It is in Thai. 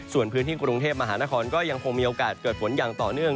ส่วนพื้นที่กรุงเทพมหานครก็ยังคงมีโอกาสเกิดฝนอย่างต่อเนื่อง